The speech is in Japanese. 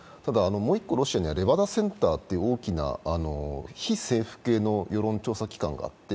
もう１個、ロシアにはレバダセンターという大きな非政府系の世論調査機関があって、